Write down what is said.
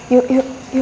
yuk yuk yuk